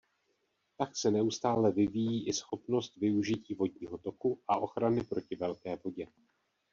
Tak se neustále vyvíjí i schopnost využití vodního toku a ochrany proti velké vodě.